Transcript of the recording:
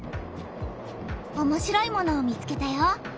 おもしろいものを見つけたよ。